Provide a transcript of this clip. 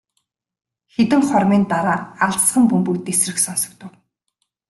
Хэдэн хормын дараа алсхан бөмбөг тэсрэх сонсогдов.